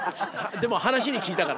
でも話に聞いたから。